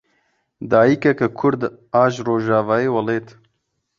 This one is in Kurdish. Dayîkeke kurd a ji rojavayê welêt.